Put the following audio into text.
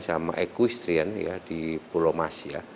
sama equestrian ya di pulau masya